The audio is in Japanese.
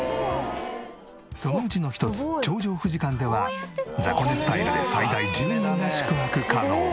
そのうちの１つ頂上富士館ではザコ寝スタイルで最大１０人が宿泊可能。